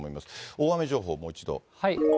大雨情報、もう一度。